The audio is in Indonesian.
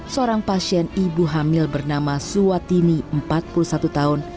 seorang pasien ibu hamil bernama suwatini empat puluh satu tahun